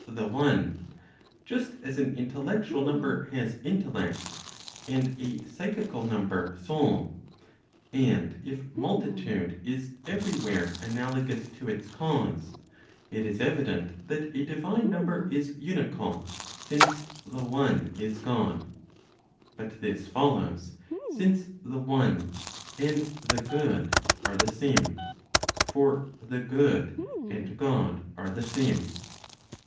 the one , just as an intellectual number has intellect, and a psychical number soul, and if multitude is every where analogous to its cause, it is evident that a divine number is unical, since the one is God. But this follows, since the one and the good are the same. For the good and God are the same.